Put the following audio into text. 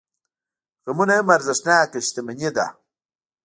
غمونه هم ارزښتناکه شتمني ده.